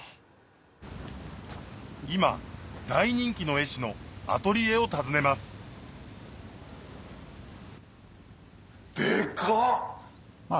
今大人気の絵師のアトリエを訪ねますデカっ！